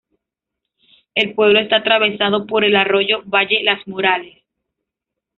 El pueblo está atravesado por el arroyo "Valle las Morales".